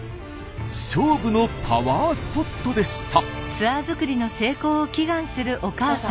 勝負のパワースポットでした。